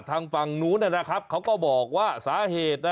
ทางฝั่งนู้นนะครับเขาก็บอกว่าสาเหตุนะ